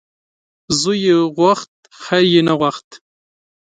زوی یې غوښت خیر یې نه غوښت .